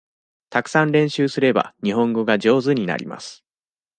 たくさん練習すれば、日本語が上手になります。